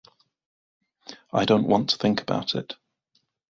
I don't want to think about it.